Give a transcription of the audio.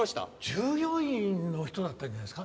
従業員の人だったんじゃないですか？